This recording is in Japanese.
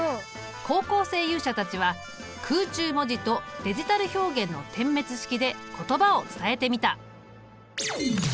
高校生勇者たちは空中文字とデジタル表現の点滅式で言葉を伝えてみた。